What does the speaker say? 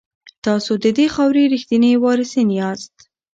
تاسو د دې خاورې ریښتیني وارثان یاست.